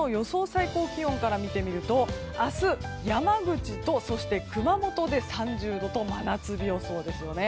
最高気温から見てみると、明日山口と熊本で３０度と真夏日予想です。